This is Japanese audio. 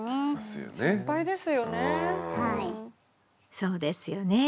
そうですよね。